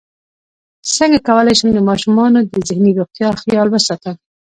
څنګه کولی شم د ماشومانو د ذهني روغتیا خیال وساتم